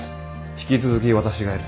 引き続き私がやる。